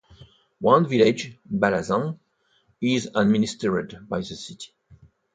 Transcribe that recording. One village, Balasan, is administered by the city.